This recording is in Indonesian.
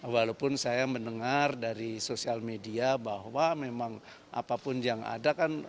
walaupun saya mendengar dari sosial media bahwa memang apapun yang ada kan